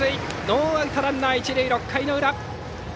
ノーアウトランナー、一塁６回裏。